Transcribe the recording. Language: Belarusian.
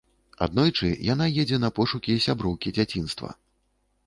Аднойчы яна едзе на пошукі сяброўкі дзяцінства.